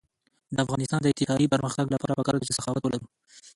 د افغانستان د اقتصادي پرمختګ لپاره پکار ده چې سخاوت ولرو.